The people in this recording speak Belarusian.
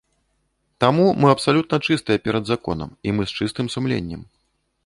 Таму мы абсалютна чыстыя перад законам і мы з чыстым сумленнем.